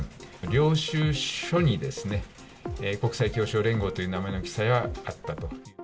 領収書にですね、国際きょうしょう連合という名前の記載はあったと。